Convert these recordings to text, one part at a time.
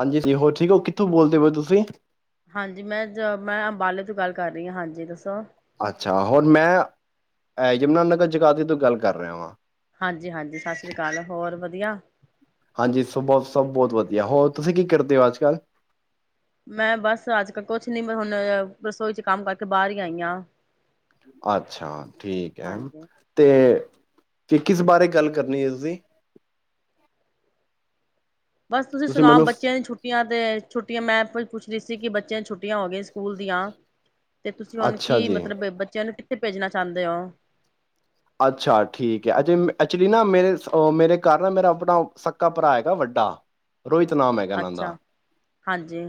ਹਾਂਜੀ ਹਾਂਜੀ ਹੋਰ ਠੀਕ ਉਹ ਹਾਂਜੀ ਮੈਂ ਜ ਮੈਂ ਅੰਬਾਲੇ ਤੋਂ ਗੱਲ ਕਰ ਰਹੀ ਹਾਂ ਹਾਂਜੀ ਦੱਸੋ ਅੱਛਾ ਹੋਰ ਮੈਂ ਯਮੁਨਾ ਨਗਰ ਜਗਾਧਰੀ ਤੋਂ ਗੱਲ ਕਰ ਰਿਹਾ ਵਾਂ ਹਾਂਜੀ ਹਾਂਜੀ ਸਤਿ ਸ੍ਰੀ ਅਕਾਲ ਹੋਰ ਵ ਵਧੀਆ ਹਾਂਜੀ ਸ ਬਹੁਤ ਸਭ ਬਹੁਤ ਵਧੀਆ ਹੋਰ ਤੁਸੀਂ ਕੀ ਕਰਦੇ ਹੋ ਅੱਜ ਕੱਲ੍ਹ ਮੈਂ ਬਸ ਅੱਜ ਕੱਲ ਕੁਛ ਨੀ ਹੁਣ ਰਸੋਈ ਚ ਕੰਮ ਕਰਕੇ ਬਾਹਰ ਹੀ ਆਈ ਹਾਂ ਅੱਛਾ ਠੀਕ ਹੈ ਹਾਂਜੀ ਤੇ ਕਿ ਕਿਸ ਬਾਰੇ ਗੱਲ ਕਰਨੀ ਇਸਦੀ ਬਸ ਤੁਸੀਂ ਸੁਣਾ ਬੱਚਿਆਂ ਦੀਆਂ ਛੁੱਟੀਆਂ ਤੇ ਛੁੱਟੀਆਂ ਮੈਂ ਕੁਛ ਨਹੀਂ ਸੀ ਕਿ ਬੱਚਿਆਂ ਛੁੱਟੀਆਂ ਹੋ ਗਈਆਂ ਸਕੂਲ ਦੀਆਂ ਤੇ ਤੁਸੀਂ ਹੁਣ ਅੱਛਾ ਕੀ ਜੀ ਮਤਲਬ ਬੱਚਿਆਂ ਨੂੰ ਥੇ ਭੇਜਣਾ ਚਾਹੁੰਦੇ ਓ। ਅੱਛਾ ਠੀਕ ਐ, ਅਕ ਐਕਚੁਲੀ ਨਾ ਮੇਰੇ ਮੇਰੇ ਘਰ ਨਾ ਮੇਰਾ ਆਪਣਾ ਸੱਕਾ ਭਰਾ ਹੈਗਾ ਵੱਡਾ ਰੋਹਿਤ ਨਾਮ ਹੈਗਾ ਇਨ੍ਹਾਂ ਦਾ। ਅੱਛਾ ਹਾਂਜੀ।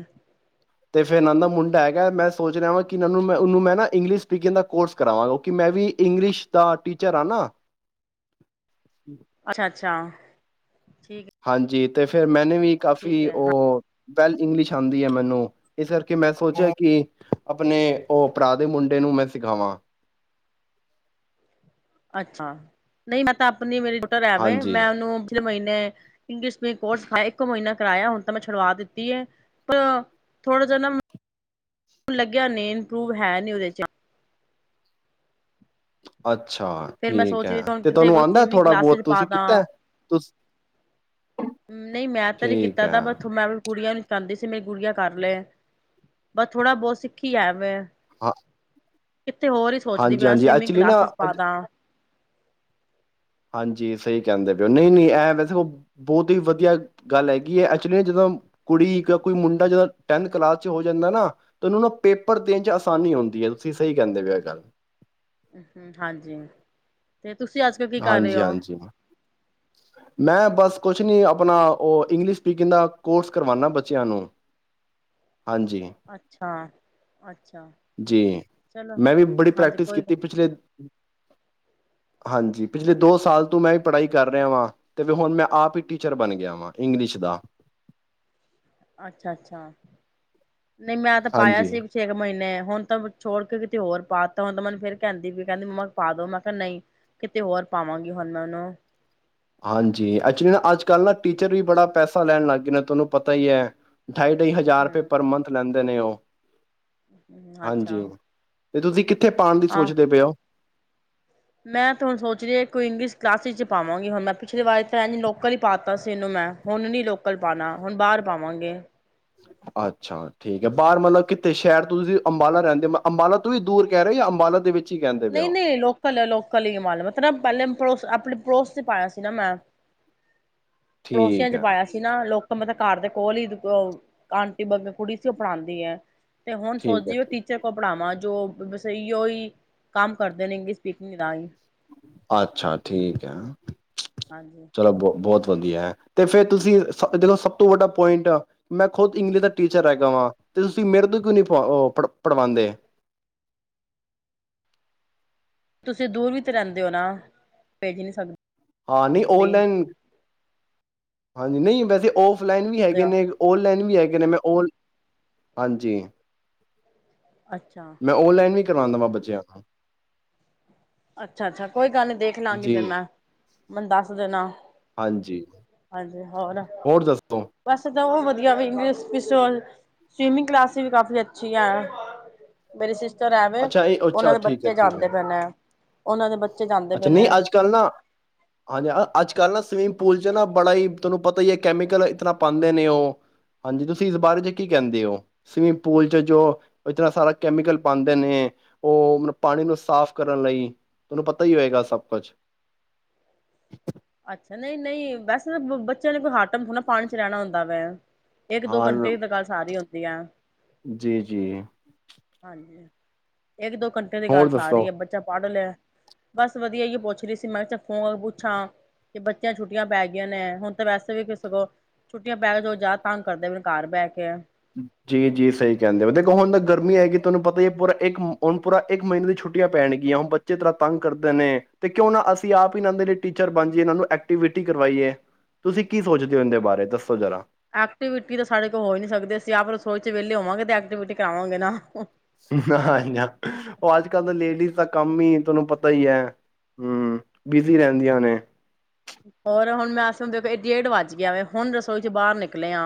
ਤੇ ਫੇਰ ਇਨ੍ਹਾਂ ਦਾ ਮੁੰਡਾ ਹੈਗਾ ਮੈਂ ਸੋਚ ਰਿਹਾ ਵਾਂ ਕਿ ਮੈਂ ਉਹਨੂੰ ਮੈਂ ਨਾ ਇੰਗਲਿਸ਼ ਸਪੀਕਿੰਗ ਦਾ ਕੋਰਸ ਕਰਾਵਾਂ ਕਿਉਂਕਿ ਮੈਂ ਵੀ ਇੰਗਲਿਸ਼ ਦਾ ਟੀਚਰ ਆਂ ਨਾ। ਅੱਛਾ ਅੱਛਾ। ਠੀਕ ਹੈ ਹਾਂਜੀ। ਤੇ ਫੇਰ ਮੈਂ ਨੇ ਵੀ ਠੀਕ ਕਾਫ਼ੀ ਹੈ ਉਹ ਵੈਲ ਇੰਗਲਿਸ਼ ਆਉਂਦੀ ਐ ਮੈਨੂੰ ਇਸ ਕਰਕੇ ਮੈਂ ਸੋਚਿਆ ਕਿ ਆਪਣੇ ਉਹ ਭਰਾ ਦੇ ਮੁੰਡੇ ਨੂੰ ਮੈਂ ਸਿਖਾਵਾਂ। ਅੱਛਾ, ਨਹੀਂ ਮੈਂ ਤਾਂ ਨੀ ਮੇਰੀ ਟੁਟ ਰਹਿਵੇ ਹਾਂਜੀ। ਮੈਂ ਉਨੂੰ ਪਿਛਲੇ ਮਹੀਨੇ ਇੰਗਲਿਸ਼ ਦੇ ਕੋਰਸ ਸਿਖਾਇਆ ਇੱਕੋ ਮਹੀਨਾ ਕਰਾਇਆ ਹੁਣ ਤਾਂ ਮੈਂ ਛੁਡਵਾ ਦਿੱਤੀ ਐ, ਪਰ ਥੋੜਾ ਜੇਹਾ ਨਾ [inaudible] ਲੱਗਿਆ ਨੀਂ ਇੰਪਰੂਵ ਹੈ ਨੀ ਉਹਦੇ ਚ ਅੱ ਅੱਛਾ, ਫੇਰ ਮੈਂ ਠੀਕ ਸੋਚ ਐ ਰਹੀ ਸੀ ਹੁਣ ਤੇ ਕਿੱਥੇ ਤੁਹਾਨੂੰ ਕੋਈ ਆਉਂਦਾ ਸਟ੍ਰੀਮਿੰਗ ਥੋੜਾ ਕਲਾਸਿਸ ਬਹੁਤ ਪਾ ਤੁਸੀਂ ਦਾ ਕੀਤਾ। ਨਹੀਂ ਮੈਂ ਤਾਂ ਨੀ ਠੀਕ ਕੀਤਾ ਐ ਦਾ ਬਟ ਮੈਂ ਕੁੜੀਆਂ ਵਿੱਚ ਚਾਂਦੀ ਸੀ ਮੇਰੀ ਗੁੜੀਆਂ ਕਰ ਲਏ ਬਸ ਥੋੜਾ ਬਹੁਤ ਸਿੱਖੀ ਹੈਵੇ। ਹਾਂ ਕਿੱਥੇ ਹੋਰ ਹੀ ਸੋਚਦੀ ਵੀ ਹਾਂਜੀ-ਹਾਂਜੀ ਸਵੀਮਿੰਗ ਐਕਚੁਲੀ ਨਾ ਕਲਾਸਿਸ ਉਹਦ ਪਾਦਾਂ ਹਾਂਜੀ ਸਹੀ ਕਹਿੰਦੇ ਪਏ ਔ ਨਹੀਂ ਨਹੀਂ ਐ ਵੈਸੇ ਉਹ ਬਹੁਤ ਹੀ ਵਧੀਆ ਗੱਲ ਹੈਗੀ ਐ, ਐਕਚੁਲੀ ਨਾ ਜਦੋਂ ਕੁੜੀ ਕੋਈ ਮੁੰਡਾ ਜਦੋਂ ਟੈਨ ਕਲਾਸ ਚ ਹੋ ਜਾਂਦਾ ਨਾ ਤਾਂ ਉਹਨੂੰ ਨਾ ਪੇਪਰ ਦੇਣ ਚ ਆਸਾਨੀ ਹੁੰਦੀ ਐ ਤੁਸੀਂ ਸਹੀ ਕਹਿੰਦੇ ਪਏ ਔ ਇ ਗੱਲ ਹਾਂਜੀ ਤੇ ਤੁਸੀਂ ਅੱਜ ਕਲ ਕੀ ਕਰ ਰਹੇ ਓ। ਹਾਂਜੀ-ਹਾਂਜੀ। ਮੈਂ ਬਸ ਕੁਛ ਨੀ ਆਪਣਾ ਉਹ ਇੰਗਲਿਸ਼ ਸਪੀਕਿੰਗ ਦਾ ਕੋਰਸ ਕਰਵਾਣਾ ਬੱਚਿਆਂ ਨੂੰ। ਹਾਂਜੀ ਅੱਛਾ ਅੱਛਾ ਜੀ, ਚਲੋ ਮੈਂ ਵੀ ਬੜੀ ਹਾਂਜੀ ਪ੍ਰੈਕਟਿਸ ਕੋਈ ਗੱਲ ਕੀਤੀ ਪਿਛਲੇ ਹਾਂਜੀ ਪਿਛਲੇ ਦੋ ਸਾਲ ਤੋਂ ਮੈਂ ਵੀ ਪੜ੍ਹਾਈ ਕਰ ਕਰ ਰਿਹਾ ਵਾਂ ਤੇ ਵੀ ਹੁਣ ਮੈਂ ਆਪ ਹੀ ਟੀਚਰ ਬਣ ਗਿਆ ਵਾਂ ਇੰਗਲਿਸ਼ ਦਾ। ਅੱਛਾ-ਅੱਛਾ ਨਹੀਂ ਮੈਂ ਤਾਂ ਪਾਇਆ ਹਾਂਜੀ ਸੀ ਛੇ ਕੁ ਮਹੀਨੇ ਹੁਣ ਤਾਂ ਛੋੜ ਕੇ ਕਿਤੇ ਹੋਰ ਪਾਤਾ ਹੁਣ ਤਾਂ ਮੈਨੂੰ ਫਿਰ ਕਹਿੰਦੀ ਵੀ ਕਹਿੰਦੀ ਮੰਮਾ ਪਾ ਦੋ ਮੈਂ ਕਿਹਾ ਨਹੀਂ ਕਿਤੇ ਹੋਰ ਪਾਵਾਂਗੀ ਹੁਣ ਮੈਂ ਉਹਨੂੰ ਹਾਂਜੀ ਐਕਚੁਲੀ ਨਾ ਅੱਜ ਕੱਲ੍ਹ ਨਾ ਟੀਚਰ ਵੀ ਬੜਾ ਪੈਸਾ ਲੈਣ ਲੱਗ ਗਏ ਨੇ ਤੁਹਾਨੂੰ ਪਤਾ ਈ ਐ। ਢਾਈ-ਢਾਈ ਹਜ਼ਾਰ ਰੁਪਏ ਪਰ ਮੰਥ ਲੈਂਦੇ ਨੇ ਉਹ ਅੱਛਾ। ਹਾਂਜੀ ਤੇ ਤੁਸੀਂ ਕਿੱ ਕਿੱਥੇ ਪਾਉਣ ਦੀ ਆਹ ਸੋਚਦੇ ਪਏ ਹੋ ਮੈਂ ਤਾਂ ਹੁਣ ਸੋਚ ਰਹੀ ਕੋਈ ਇੰਗਲਿਸ਼ ਕਲਾਸਿਸ ਚ ਪਾਵਾਂਗੀ ਹੁਣ ਮੈਂ ਪਿਛਲੀ ਵਾਰੀ ਤਾਂ ਐ ਨ ਲੋਕਲ ਹੀ ਪਾਤਾ ਸੀ ਇਹਨੂੰ ਮੈਂ ਹੁਣ ਨੀ ਲੋਕਲ ਪਾਣਾ ਹੁਣ ਬਾਹਰ ਪਾਵਾਂਗੇ ਅੱਛਾ ਠੀਕ ਹੈ ਬਾਹਰ ਮਤਲਬ ਕਿੱਥੇ ਸ਼ਹਿਰ ਤੋਂ ਤੁਸੀਂ ਅੰਬਾਲਾ ਰਹਿੰਦੇ ਹੋ ਅੰਬਾਲਾ ਤੋਂ ਵੀ ਦੂਰ ਕਹਿ ਰਹੇ ਹੋ ਅੰਬਾਲਾ ਦੇ ਵਿੱਚ ਹੀ ਕਹਿੰਦੇ ਪਏ ਨਹੀਂ ਹੋ ਨਹੀਂ ਲੋਕਲ ਹੈ ਲੋਕਲ ਹੀ ਮਾਲ ਮਤਲਬ ਨਾ ਪਹਿਲੇ ਆਪਣੇ ਪੜੋਸ ਤੇ ਪਾਇਆ ਸੀ ਨਾ ਮੈਂ ਪੜੋਸੀਆਂ ਠੀਕ ਚ ਹੈ, ਪਾਇਆ ਸੀ ਨਾ ਲੋਕ ਮਤ ਤਾਂ ਘਰ ਦੇ ਕੋਲ ਹੀ ਆਂਟੀ ਬ ਕੁੜੀ ਸੀ ਉਹਪਣਾਉਂਦੀ ਹੈ ਤੇ ਹੁਣ ਸੋਚ ਠੀਕ ਹੈ, ਜ ਉਹ ਟੀਚਰ ਕੋਲ ਪੜ੍ਹਾਵਾਂ ਜੋ ਵਸਈ ਹੋਈ ਕੰਮ ਕਰਦੇ ਨੇ ਇੰਗਲਿਸ਼ ਸਪੀਕੀਂ ਰਾਹੀਂ ਅੱਛਾ ਠੀਕ ਹੈ ਹਾਂਜੀ ਚਲੋ ਬਹੁ ਬਹੁਤ ਦੀ ਹੈ ਤੇ ਫੇਿਰ ਤੁਸੀਂ ਦੇਖੋ ਸਭ ਤੋਂ ਵੱਡਾ ਪੁਆਇੰਟ ਮੈਂ ਖੁਦ ਇੰਗਲਿਸ਼ ਦਾ ਟੀਚਰ ਰਹਿਗਾ ਵਾਂ ਤੇ ਤੁਸੀਂ ਮੇਰੇ ਤੋਂ ਕਿਉ ਨੀ ਪ ਪੜਵਾਉਂਦੇ ਤੁਸੀਂ ਦੂਰ ਵੀ ਤੇ ਰਹਿੰਦੇ ਹੋ ਨਾ ਭੇਜ ਨਹੀਂ ਸਕਦੇ ਹਾਂ ਨਹੀਂ ਆਨਲਾਈਨ ਹਾਂਜੀ ਨਹੀਂ ਵੈਸੇ ਉਹ ਫਲਾਈਨ ਵੀ ਹੈਗੇ ਨੇ ਔਨਲਾਈਨ ਵੀ ਹੈਗੇ ਨੇ ਮੈਂ ਉਹ ਹਾਂਜੀ ਅੱਛਾ ਮੈਂ ਔਨਲਾਈਨ ਵੀ ਕਰਉਦਾਵਾਂ ਬੱਚਿਆਂ ਨੂੰ ਅੱਛਾ ਅੱਛਾ ਕੋਈ ਗੱਲ ਨੀ ਦੇਖ ਲਾ ਗੀ ਜੀ ਮੈ। ਮੈਨੂੰ ਦੱਸ ਦੇਣਾ ਹਾਂਜੀ ਹਾਂਜੀ ਹੋਰ ਬਸ ਉਹ ਵਧੀਆ ਵੀ ਸਵੀਮਿੰਗ ਕਲਾਸ ਵੀ ਕਾਫੀ ਅੱਛੀ ਆ ਮੇਰੇ ਰਹਿਵੇ ਅੱਛਾ ਇਹ ਉਹਨਾਂ ਅੱਛਾ ਦੇ ਠੀਕ ਹੈ ਬੱਚੇ ਠੀਕ ਜਾਂਦੇ ਹੈ ਪੈਦੇ ਨੇ ਉਹਨਾਂ ਦੇ ਬੱਚੇ ਜਾਂਦੇ ਅੱਛਾ ਪਏ ਨਹੀਂ ਨੇ। ਅੱਜ ਕੱਲ੍ਹ ਨਾ ਹਾਂਜੀ ਅੱਜ ਕੱਲ੍ਹ ਨਾ ਸਵਿਮਿੰਗ ਪੂਲ ' ਨਾ ਬੜਾ ਹੀ ਤੁਹਾਨੂੰ ਪਤਾ ਹੀ ਹੈ ਕੈਮੀਕਲ ਇਤਨਾ ਪਾਉਂਦੇ ਨੇ ਉਹ ਹਾਂਜੀ ਤੁਸੀਂ ਇਸ ਬਾਰੇ ਚ ਕੀ ਕਹਿੰਦੇ ਹੋ ਸਵੀਮਿੰਗ ਪੂਲ ਚ ਜੋ ਇਤਨਾ ਸਾਰਾ ਕੈਮੀਕਲ ਪਾਉਂਦੇ ਨੇ ਉਹ ਮਤ ਪਾਣੀ ਨੂੰ ਸਾਫ਼ ਕਰਨ ਲਈ ਤੁਹਾਨੂੰ ਪਤਾ ਪਤਾ ਹੀ ਹੋਏਗਾ ਸਭ ਕੁਝ ਅੱਛਾ ਨਹੀਂ ਨਹੀਂ ਵੈਸੇ ਤਾਂ ਬੱਚਿਆਂ ਕੋਈ ਹੱਟ ਨਾ ਪਾਣੀ ਚ ਰਹਿਣਾ ਹੁੰਦਾ ਵੈ ਇੱਕ ਦੋ ਘੰਟੇ ਤਾਂ ਗੱਲ ਸਾਰੀ ਹੁੰਦੀ ਵਧਆ ਜੀ ਜੀ ਹਾਂਜੀ ਇੱਕ ਦੋ ਘੰਟੇ ਦੀ ਹੋਰ ਗੱਲ ਸਾਰੀ ਦੱਸੋ? ਹੈ ਬੱਚਾ ਪੜ੍ਹ ਲਿਆ ਬਸ ਵਧੀਆ ਹੀ ਏ ਪੁੱਛ ਰਹੀ ਸੀ ਮੈਂ ਕਿਹਾ ਫੋਨ ਪੁੱਛਾਂ ਕਿ ਬੱਚਿਆਂ ਛੁੱਟੀਆਂ ਪੈ ਗਈਆਂ ਨੇ ਹੁਣ ਤਾਂ ਵੈਸੇ ਵੀ ਕਿਸੇ ਕੋ ਛੁੱਟੀਆਂ ਪੈ ਕੇ ਜੋ ਜ਼ਿਆਦਾ ਤੰਗ ਕਰਦੇ ਨੇ ਘਰ ਬਹਿ ਕੇ ਜੀ ਜੀ ਸਹੀ ਕਹਿੰਦੇ ਹੋ, ਦੇਖੋ ਹੁਣ ਤਾਂ ਗਰਮੀਆਂ ਹੈਗੀ ਤੁਹਾਨੂੰ ਪਤਾ ਹੀ ਪੂਰਾ ਇੱਕ ਹੁਣ ਪੂਰਾ ਇੱਕ ਮਹੀਨੇ ਦੀ ਛੁੱਟੀਆਂ ਪੈਣਗੀਆਂ ਹੁਣ ਬੱਚੇ ਤਰ੍ਹਾਂ ਤੰਗ ਕਰਦੇ ਨੇ ਤੇ ਕਿਉਂ ਨਾ ਅਸੀਂ ਆਪ ਹੀ ਇਹ ਦੇ ਲਈ ਟੀਚਰ ਬਣ ਜਾਈਏ ਇਹ ਨੂੰ ਐਕਟੀਵਿਟੀ ਕਰਵਾਈਏ ਤੁਸੀਂ ਕੀ ਸੋਚਦੇ ਹੋ ਇਹਦੇ ਬਾਰੇ ਦੱਸੋ ਜ਼ਰਾ ਐਕਟੀਵਿਟੀ ਤਾਂ ਸਾਡੇ ਕੋਲ ਹੋ ਨੀ ਸਕਦੇ ਅਸੀਂ ਆਪ ਰਸੋਈ ਚ ਵਿਹਲੇ ਹੋਵਾਂਗੇ ਤੇ ਐਕਟੀਵਿਟੀ ਕਰਾਵਾਂਗੇ ਨਾ ਨਾ ਉਹ ਅੱਜ ਕੱਲ ਤਾਂ ਲੇਡੀਜ਼ ਦਾ ਕੰਮ ਹੀ ਤੁਹਾਨੂੰ ਪਤਾ ਹੀ ਹੈ ਹਮ ਬਿਜ਼ੀ ਰਹਿੰਦੀਆਂ ਨੇ ਹੋਰ ਹੁਣ ਮੈਂ ਹੁੰਦੇ ਇਹ ਡੇਢ ਵੱਜ ਗਿਆ ਵ ਹੁਣ ਰਸੋਈ ਚ ਬਾਹਰ ਨਿਕਲੇ ਆ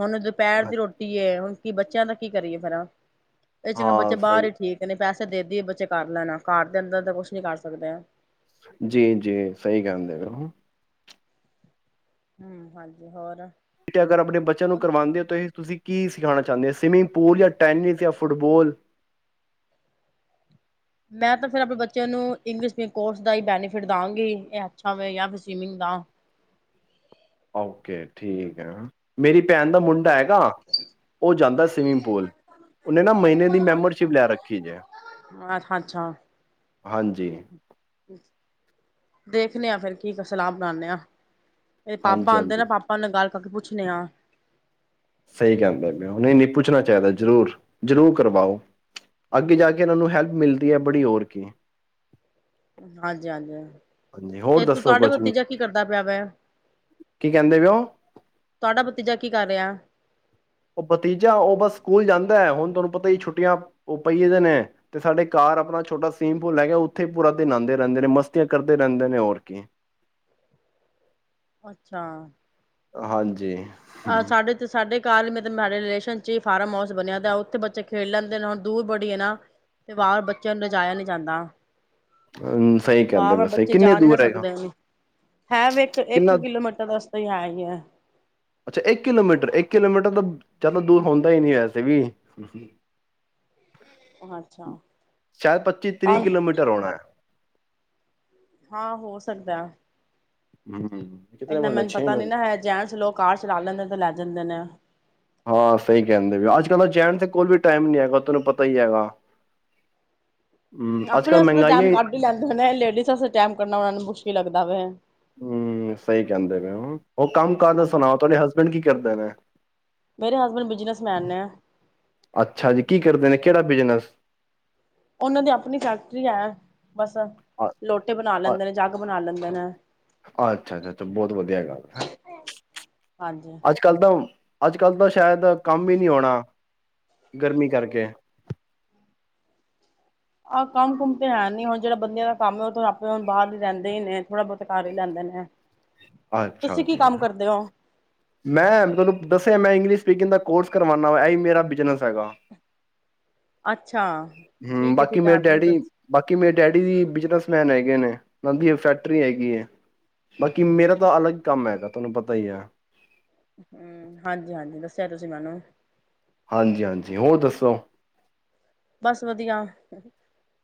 ਹੁਣ ਦੁਪਹਿਰ ਦੀ ਰੋਟੀ ਏ ਹੁਣ ਕਿ ਬੱਚਿਆਂ ਦਾ ਕੀ ਕਰੀਏ ਫਿਰ ਇਹ ਚੰਗਾ ਬੱਚੇ ਹਾਂ, ਬਾਹਰ ਸਹੀ ਹੀ ਠੀਕ ਨੇ ਪੈਸੇ ਦੇਦੀ ਬੱਚੇ ਕਰ ਲੈਣਾ ਘਰ ਦੇ ਅੰਦਰ ਤਾਂ ਕੁਛ ਨੀ ਕਰ ਸਕਦੇ ਆ ਜੀ ਜੀ ਸਹੀ ਗੱਲ ਹੈ ਹਂ ਹਾਂਜੀ ਹੋਰ ਅਗਰ ਆਪਣੇ ਬੱਚਿਆਂ ਨੂੰ ਕਰਵਾਉਂਦੇ ਹੋ ਤਾਂ ਇਹ ਤੁਸੀਂ ਕੀ ਸਿਖਾਣਾ ਚਾਹੁੰਦੇ ਆ ਸਵੀਮਿੰਗ ਪੂਲ ਜਾਂ ਟੈਨਿਸ ਜਾਂ ਫੁੱਟਬੋਲ ਮੈਂ ਤਾਂ ਫਿਰ ਆਪਣੇ ਬੱਚਿਆਂ ਨੂੰ ਇੰਗਲਿਸ਼ ਕੋਰਸ ਦਾ ਹੀ ਬੈਨੀਫਿਟ ਦਵਾਂਗੀ ਇਹ ਅੱਛਾ ਹੋਵੇ ਜਾਂ ਫਿਰ ਸਵੀਮਿੰਗ ਦਾ ਹਾਂ ਕੇ ਠੀਕ ਹੈ ਮੇਰੀ ਭੈਣ ਦਾ ਮੁੰਡਾ ਹੈਗਾ ਉਹ ਜਾਂਦਾ ਸਵੀਮਿੰਗ ਪੂਲ ਉਹਨੇ ਨਾ ਮਹੀਨੇ ਦੀ ਮੈਂਬਰਸ਼ਿਪ ਲੈ ਰੱਖੀ ਜੇ ਹਾਂ ਅੱਛਾ ਹਾਂਜੀ ਅੱਛਾ [inaudible] [unintelligible] ਦੇਖਨੇ ਆਂ ਫਿਰ ਕੀ ਕੋਛ ਸਲਾਹ ਬਣਾਉਦੇ ਆਂ ਏਦੇ ਪਾਪਾ ਆਂਦੇ ਹਾਂਜੀ-ਹਾਂਜੀ। ਨਾ ਪਾਪਾ ਨਾਲ ਗੱਲ ਅਗੇ ਪੁੱਛੇਨ ਆਂ ਸਈ ਕੈਂਦੈ ਨੇ ਔ ਨਈ-ਨਈ ਪੁੱਛਾਨਾ ਚਾਈਦੈ ਜਰੂਰ, ਜਰੂਰ ਕਰਵਾਓ ਅੱਗੇ ਜਾ ਕੇ ਏਨਾਂ ਨੂੰ ਹੈਲਪ ਮਿਲਦੀ ਐ ਬੜੀ ਹੋਰ ਕੀ ਹਾਂਜੀ-ਹਾਂਜੀ, ਹਾਂਜੀ ਹੋਰ ਤੇ ਤੂ ਦੱਸੋ ਤੁਹਾਡਾ ਕੁਛ ਭਤੀਜਾ ਕੀ ਕਰਦਾ ਪਿਆ ਵੈ? ਕਹਿੰਦੇ ਪਏ ਓ? ਤੁਹਾਡਾ ਭਤੀਜਾ ਕੀ ਕਰ ਰਿਆ? ਔ ਭਤੀਜਾ ਔ ਬਸ ਸਕੂਲ ਜਾਂਦੈ ਹੁਨ ਤੁਹਾਨੂੰ ਪਤਾ ਈ ਛੁੱਟੀਆਂ ਔ ਪਈਏ ਦੇ ਨੇ ਤੇ ਸਾਡੇ ਘਰ ਆਪਣਾ ਛੋਟਾ ਸਵੀਮਪੂਲ ਹੈੈਗਾ ਉੱਥੇ ਈ ਪੂਰਾ ਦਿਨ ਨਾਂਦੇ ਰੇਂਦੇ ਨੇ, ਮਸਤੀਆਂ ਕਰਦੇ ਰੇਂਦੇ ਨੇ ਹੋਰ ਕੀ। ਅੱਛਾ। ਆ ਹਾਂਜੀ ਆਹ ਸਾਡੇ ਤੇ ਸਾਡੇ [unintelligible] ਮੇ ਤੇ ਮਾਰੇ ਰਿਲੇਸ਼ਨ ਚ ਈ ਫਾਰਮ ਹਾਊਸ ਬਨਿਆ ਦਾ ਔਥੇ ਬੱਚੇ ਖੇਡ ਲੈਂਦੇ ਨੇ ਹੁਨ ਦੂਰ ਬੜੀ ਏ ਨਾ ਤੇ ਬਾਰ ਬੱਚਿਆਂ ਨੂੰ ਲਜਾਇਆ ਨੀ ਜਾਂਦਾ ਹਮ ਸਹੀ ਕਹਿੰਦੇ ਵਾਰ-ਵਾਰ ਵੈਸੇ ਬੱਚੇ ਕਿੰਨੇ ਜਾ ਨੀਂ ਨਾ ਦੂਰ ਹੈਗਾ ਸਕਦੇ ਏਨੀ ਹੈ ਵੇ ਇੱਕ, ਇੱਕ ਕਿੰਨਾ ਕਿਲੋਮੀਟਰ ਦਾ ਰਸਤਾ ਈ ਹੈ ਈ ਐ। ਅਛਾ ਇੱਕ ਕਿਲੋਮੀਟਰ ਇੱਕ ਕਿਲੋਮੀਟਰ ਤਾਂ ਜਾਦਾ ਦੂਰ ਹੋਂਦਾ ਈ ਨੀਂ ਵੈਸੇ ਵੀ ਅੱਛਾ ਸ਼ਾਅਦ ਤਾਂ ਪੱਚੀ-ਤ੍ਰਿ ਕਿਲੋਮੀਟਰ ਹੋਣੈ ਹਾਂ ਹੋ ਸਕਦੈ ਹੂੰ ਇੰਨਾ ਮੈਨੂੰ ਪਤਾ ਨੀ ਨਾ ਹੈ ਜੈਣਸ ਲੋਕ ਕਾਰ ਚਲਾ ਲੈਂਦੇ ਤੇ ਲੈ ਜਾਂਦੇ ਨੇ ਹਾਂ, ਸਈ ਕੇਂਦੇ ਵੀ ਅੱਜ ਕੱਲ ਤਾਂ ਜੈਣਸ ਦੇ ਕੋਲ ਵੀ ਟਾਈਮ ਨੀ ਹੈਗਾ ਤਾਨੂੰ ਪਤਾ ਈ ਹੈਗਾ। ਹਮ ਅੱਜ ਆਪਣੇ ਕੱਲ ਆਸਤੇ ਤਾਂ ਟਾਈਮ ਮਹਿੰਗਾਈਆਂ ਕੱਢ ਈ ਲੈਂਦੇ ਨੇ ਲੇਡੀਸ ਆਸਤੇ ਟੈਮ ਕੱਢਨਾ ਔਨਾ ਨੂੰ ਮੁਸ਼ ਕੀ ਲੱਭਦਾ ਪਇਆ ਐ ਹੂ ਸਹੀ ਕਹਿੰਦੇ ਪਏ ਉਹ ਕੰਮ ਕਰ ਦਾ ਹਾਂਜੀ ਸੁਣਾਓ ਤੁਹਾਡੇ ਹਸਬੈਂਡ ਕੀ ਕੀ ਕਰਦੇ ਨੇ ਮੇਰੇ ਹਸਬੈਂਡ ਬਿਜਨਸਮੈਨ ਨੇ। ਅੱਛਾ ਜੀ ਕੀ ਕਰਦੇ ਨੇ ਕਿਹੜਾ ਬਿਜਨਸ ਉਹਨਾਂ ਦੀ ਆਪਣੀ ਫੈਕਟਰੀ ਹੈ ਬਸ ਲੋਟੇ ਬਣਾ ਲੈਂਦੇ ਨੇ ਜੱਗ ਬਣਾ ਲੈਂਦੇ [unintelligible] ਅੱਛਾ ਅੱਛਾ ਅੱਛਾ ਬਹੁਤ ਵਧੀਆ ਗੱਲ ਹੈ ਹਾਂਜੀ ਅੱਜ ਕੱਲ ਤਾਂ ਅੱਜ ਕੱਲ੍ਹ ਤਾਂ ਸ਼ਾਇਦ ਕੰਮ ਹੀ ਨਹੀਂ ਹੋਣਾ ਗਰਮੀ ਕਰਕੇ ਆਹ ਕੰਮ ਕੁੁੰਮ ਤੇ ਹੈ ਨੀ ਹੁਣ ਜਿਹੜਾ ਬੰਦ ਦਾ ਕੰਮ ਉਹ ਆਪੇ ਹੁਣ ਬਾਹਰ ਹੀ ਰਹਿੰਦੇ ਹੀ ਨੇ ਥੋੜਾ ਬਹੁਤ ਤੇ ਕਰ ਹੀ ਲੈਂਦੇ ਨੇ ਅੱਛਾ ਤੁਸੀਂ ਕੀ ਜੀ। ਕੰਮ ਕਰਦੇ ਹੋ ਮੈਂ ਤੁਹਾਨੂੰ ਦੱਸਿਆ ਮੈਂ ਇੰਗਲਿਸ਼ ਸਪੀਕਿੰਗ ਦਾ ਕੋਰਸ ਕਰਵਾਉਦਾ ਵਾ ਇਹੀ ਮੇਰਾ ਬਿਜਨਸ ਹੈਗਾ ਅੱਛਾ ਹੂ ਠੀਕ ਹੈ ਬਾਕੀ ਠੀਕ ਹੈ ਮੇਰੇ ਤੁਸੀਂ ਡੈਡੀ ਦੱਸ ਬਾਕੀ ਮੇਰੇ ਡੈਡੀ ਦੀ ਬਿਜਨਸਮੈਨ ਹੈ ਹੈਗੇ ਨੇ ਦੀ ਇਹ ਫੈਕਟਰੀ ਹੈਗੀ ਹੈ ਬਾਕੀ ਮੇਰਾ ਤਾਂ ਅਲੱਗ ਹੀ ਕੰਮ ਹੈਗਾ ਤੁਹਾਨੂੰ ਪਤਾ ਹੀ ਹੈ ਹਮ ਹਾਂਜੀ ਹਾਂਜੀ ਦੱਸਿਆ ਤੁਸੀਂ ਮੈਨੂੰ ਹਾਂਜੀ ਹਾਂਜੀ ਹੋਰ ਦੱਸੋ ਬਸ ਵਧੀਆ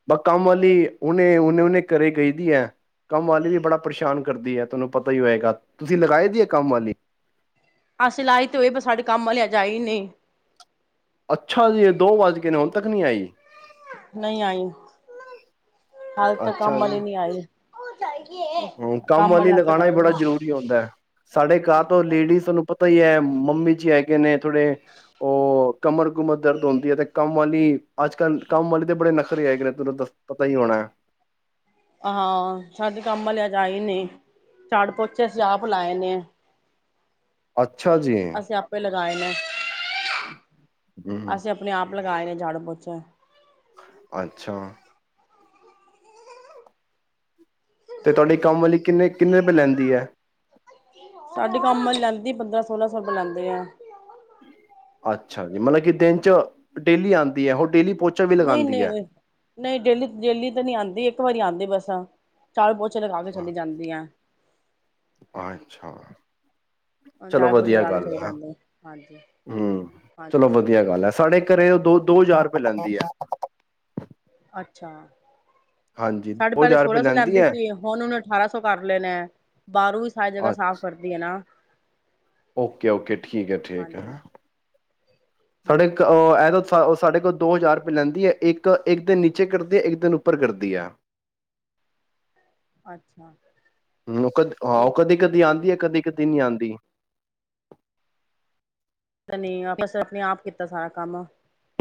ਬਸ ਕਾਮਵਾਲੀ ਹੋਰ ਉਹਨੇ ਹੁਣ ਨ ਉਹਨੇ ਘਰੇ ਗਈ ਦੀ ਹੈ ਕੰਮ ਵਾਲੀ ਵੀ ਬੜਾ ਪਰੇਸ਼ਾਨ ਕਰਦੀ ਹੈ ਤੁਹਾਨੂੰ ਪਤਾ ਹੀ ਹੋਏਗਾ ਤੁਸੀਂ ਲਗਾਏ ਦੀ ਹੈ ਕੰਮ ਵਾਲੀ ਅਸੀਂ ਲਾਾਈ ਤੇ ਹੋਏ ਬ ਸਾਡੇ ਕੰਮ ਵਾਲੀ ਆਜ ਆਈ ਨਹੀਂ ਅੱਛਾ ਜੀ ਇਹ ਦੋ ਵੱਜ ਕੇ ਨੇ ਹੁਣ ਤੱਕ ਨਹੀਂ ਆਈ ਨਹੀਂ ਆਈ ਹਾਲ ਤ ਕੰਮ ਵਾਲੀ ਨਹੀਂ ਆਈ [unintelligible] ਹੂ ਕੰਮ ਵਾਲੀ ਹਾਲੇ ਤੱਕ ਲਗਾਉਣਾ ਵੀ ਆਈ ਬੜਾ ਨਹੀਂ ਜ਼ਰੂਰੀ ਹੁੰਦਾ ਹੈ ਸਾਡੇ ਘਾਹ ਤੋਂ ਹਾਂਜੀ ਲੇਡੀਜ਼ ਤੁਹਾਨੂੰ ਪਤਾ ਹੀ ਹੈ ਮੰਮੀ ਜੀ ਹੈਗੇ ਨੇ ਥੋੜੇ ਉਹ ਕਮਰ ਕੁਮਰ ਦਰਦ ਹੁੰਦੀ ਹੈ ਤੇ ਕੰਮ ਵਾਲੀ ਅੱਜ ਕੱਲ ਕੰਮ ਵਾਲੀ ਤੇ ਬੜੇ ਨਖਰੇ ਹੈਗੇ ਨੇ ਤੈਨੂੰ ਦਸ ਪਤਾ ਹੀ ਹੋਣਾ ਹੈ ਅ ਹਾਂ ਸਾਡੀ ਕੰਮ ਆਜ ਆਈ ਨਹੀਂ, ਝਾੜੂ ਪੋਚੇ ਅਸੀ ਆਪ ਲਾਏ ਨੇ ਅੱਛਾ ਅੱਛਾ ਜੀ ਗਾਏ ਨੇ [inaudible] ਅਸੀਂ ਆਪਣੇ [unintelligible] ਆਪ ਲਗਾਏ ਨੇ ਝਾੜੂ ਪੋਚੇ ਅੱਛਾ ਤੇ ਤੁਹਾਡੀ ਕੰਮ ਵਾਲੀ ਕਿੰਨੇ ਕਿੰਨੇ ਰੁਪਏ ਲੈਂਦੀ ਹੈ ਸਾਡੇ ਕੰਮ ਲੈਂਦੀ ਪੰਦਰਾਂ ਸੋਲਾਂ ਸੌ ਰੁਪਏ ਲੈਂਦੇ ਆ ਅੱਛਾ ਜੀ ਮਤਲਬ ਕਿ ਦਿਨ ਚ ਡੇਲੀ ਆਉਂਦੀ ਹੈ ਉਹ ਡੇਲੀ ਪੋਚੇ ਨਹੀਂ ਨਹੀਂ ਨਹੀਂ ਡੇਲੀ ਡੇਲੀ ਤਾਂ ਨਹੀਂ ਆਉਂਦੀ ਇੱਕ ਵਾਰੀ ਆਉਂਦੀ ਬਸ ਚੱਲ ਬਹੁਤ ਅੱਛਾ, ਅੱਛਾ ਚਲੋ ਝਾੜੂ ਪੋਚੇ ਵਧੀਆ ਲਗਾ ਕੇ ਗੱਲ ਚਲੇ ਹੈ, ਜਾਂਦੇ ਹਾਂਜੀ ਹੂੰ ਹਾਂਜੀ ਚਲੋ ਵਧੀਆ ਗੱਲ ਹੈ ਸਾਡੇ ਘਰੇ ਦੋ- ਦੋ ਹਜ਼ਾਰ ਬੁਲਾਂਦੀ ਹੈ। ਅੱਛਾ। ਸਾਡੇ ਦੋ ਪਹਿਲੇ ਹਜ਼ਾਰ ਰੁਪਏ ਸੋਲਾਂ ਸੌ ਲੈਂਦੀ ਐ ਸੀ, ਹੁਣ ਉਹਨੇ ਅਠਾਰਾਂ ਸੌ ਕਰ ਲਏ ਨੇ ਬਾਹਰੋਂ ਵੀ ਸਾਰੀ ਜਗ੍ਹਾ ਸਾਫ਼ ਅੱਛ ਕਰਦੀ ਹੈ ਨਾ ਓਕੇ- ਓਕੇ, ਠੀਕ ਹੈ, ਠੀਕ ਹਾਂਜੀ ਹੈ। ਤੁਹਾਡੇ ਹਮ ਇਹ ਤਾਂ ਉਹ ਸਾਡੇ ਕੋਲ ਦੋ ਹਜ਼ਾਰ ਰੁਪਏ ਲੈਂਦੀ ਹੈ, ਇੱਕ- ਇੱਕ ਦਿਨ ਨੀਚੇ ਕਰਦੀ ਹੈ ਇੱਕ ਦਿਨ ਉੱਪਰ ਕਰਦੀ ਹੈ। ਅੱਛਾ। ਹੂੰ ਉਹ ਕਦੇ ਉਹ ਠੀਕ ਹੈ ਕਦੇ ਠੀਕ ਕਦੀ ਹਾਂਜੀ ਆਉਂਦੀ ਹੈ ਕਦੀ ਕਦੀ ਨਹੀਂ ਆਂਦੀ। ਦੀ। ਤੇ ਨਹੀਂ ਬਸ ਆਪਣੇ ਆਪ ਕੀਤਾ ਸਾਰਾ ਕੰਮ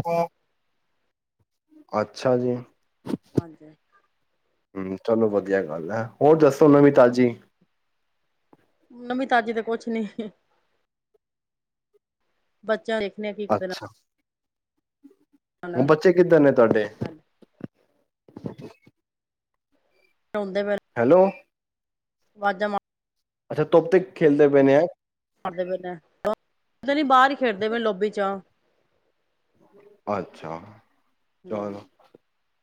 ਉਹ ਅੱਛਾ ਜੀ। ਹਾਂਜੀ। ਹੂੰ, ਚਲੋ ਵਧੀਆ ਗੱਲ ਹੈ, ਹੋਰ ਦੱਸੋ ਨਵੀਂ ਤਾਜ਼ੀ ਨਵੀਂ ਤਾਜ਼ੀ ਤੇ ਕੁਛ ਨੀ ਬੱਚਾ ਦੇਖ ਇਹਨੇ ਕੀ ਕਰ ਦੇਣਾ। [inaudible] ਹੁਣ ਬੱਚੇ ਕਿੱਧਰ ਨੇ ਤੁਹਾਡੇ ਹਾਂਜੀ [inaudible] ਹੈਲੋ, ਵਾਜਮਾਂ ਅੱਛਾ ਤੋਪ ਤੇ ਖੇਲਦੇ ਪਏ ਨੇ ਹੈ। ਮਾਰਦੇ ਪਏ ਨੇ ਪਤਾ ਨੀ ਬਾਹਰ ਹੀ ਖੇਡਦੇ ਪਏ ਲੋਬੀ ਚ ਅੱਛਾ, ਚਲ ਹੂੰ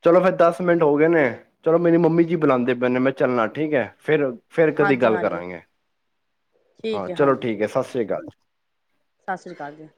ਚਲੋ ਫਿਰ ਦਸ ਮਿੰਟ ਹੋ ਗਏ ਨੇ ਚਲੋ ਮੇਰੀ ਮੰਮੀ ਜੀ ਬੁਲਾਂਦੇ ਪਏ ਨੇ ਮੈਂ ਚੱਲਣਾ ਠੀਕ ਹੈ ਫਿਰ ਫਿਰ ਕਦੀ ਹਾਂਜੀ ਗੱਲ ਹਾਂਜੀ ਕਰਾਂਗੇ ਹਾਂ, ਠੀਕ ਹੈ ਚਲੋ ਹਾਂਜੀ ਠੀਕ ਹੈ ਸਤਿ ਸ੍ਰੀ ਅਕਾਲ ਜੀ। ਸਤਿ ਸ੍ਰੀ ਅਕਾਲ ਜੀ।